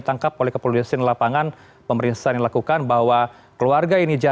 yang belum bisa kami sampaikan hasilnya